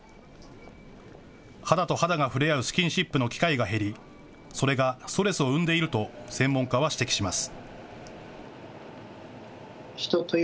肌と肌が触れ合うスキンシップの機会が減り、それがストレスを生んでいると専門家は指摘します。